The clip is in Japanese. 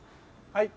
はい。